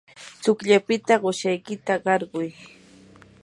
tsukllaykipita qusaykita qarquy.